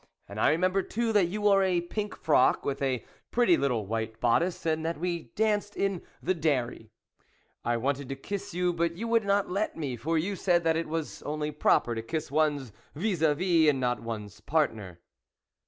And I remember too that you wore a pink frock, with a pretty little white bodice, and that we danced in the dairy. I wanted to kiss you, but you would not let me, for you said that it was only proper to kiss one's vis a vis, and not one's partner."